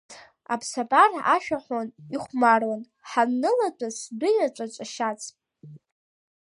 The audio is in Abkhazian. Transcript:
Аԥсабара ашәа аҳәон, ихәмаруан, ҳаннылатәаз сдәы иаҵәаҿ ашьац.